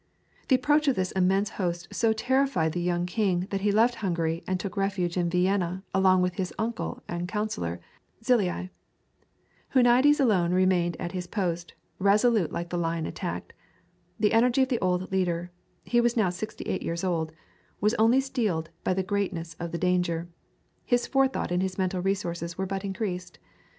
The approach of this immense host so terrified the young king that he left Hungary and took refuge in Vienna along with his uncle and counsellor, Czillei. Huniades alone remained at his post, resolute like a lion attacked. The energy of the old leader he was now sixty eight years old was only steeled by the greatness of the danger; his forethought and his mental resources were but increased.